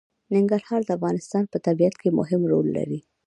ننګرهار د افغانستان په طبیعت کې مهم رول لري.